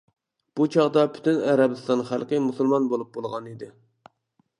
بۇ چاغدا پۈتۈن ئەرەبىستان خەلقى مۇسۇلمان بولۇپ بولغان ئىدى.